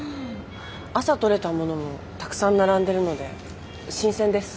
朝採れたものもたくさん並んでるので新鮮です。